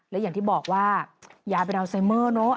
และอย่างที่บอกว่ายายเป็นอัลไซเมอร์เนอะ